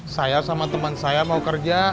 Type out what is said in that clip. saya sama teman saya mau kerja